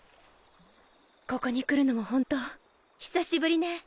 ここに来るのもホント久しぶりね。